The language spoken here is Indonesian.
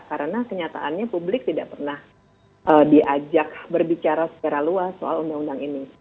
karena kenyataannya publik tidak pernah diajak berbicara secara luas soal undang undang ini